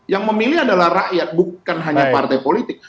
yang memilih adalah rakyat bukan hanya partai politik